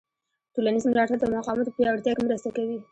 ټولنیز ملاتړ د مقاومت په پیاوړتیا کې مرسته کوي.